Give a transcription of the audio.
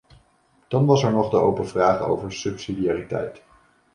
Dan was er nog de open vraag over subsidiariteit.